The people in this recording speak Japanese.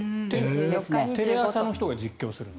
テレ朝の人が実況するの？